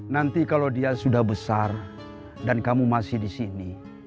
nanti kalau dia sudah besar dan kamu masih disini